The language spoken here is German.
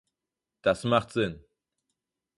Das macht Sinn.